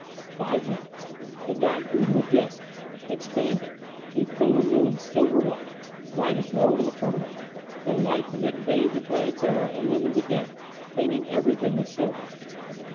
Five minutes. The dot grew to a disc. Expanding. A full moon, silver white. Brightest world in the firmament the light from it bathed the Planetara, illumined the deck, painting everything with silver.